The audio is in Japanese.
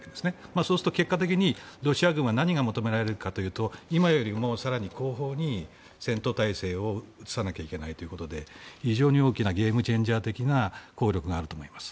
そうすると、結果的にロシア軍は何が求められるかというと今よりも更に後方に戦闘態勢を移さなきゃいけないということで非常に大きなゲームチェンジャー的な効力があると思います。